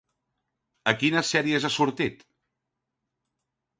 A quines sèries ha sortit?